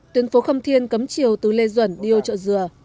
tuyến phố khâm thiên cấm chiều từ lê duẩn đi ô chợ dừa